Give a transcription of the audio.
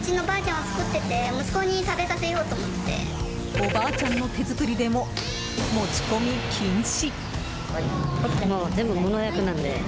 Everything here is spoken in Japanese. おばあちゃんの手作りでも持ち込み禁止。